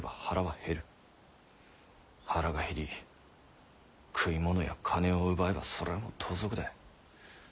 腹が減り食い物や金を奪えばそれはもう盗賊だ。